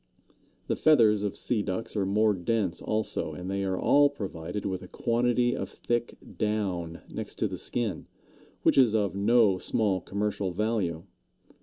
The feathers of Sea Ducks are more dense also, and they are all provided with a quantity of thick down next to the skin, which is of no small commercial value.